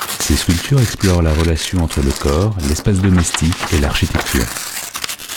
Ses sculptures explorent la relation entre le corps, l'espace domestique et l'architecture.